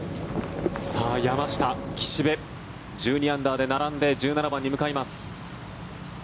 さあ、山下、岸部１２アンダーで並んで１７番に向かいます。